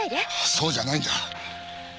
そうじゃないんだ。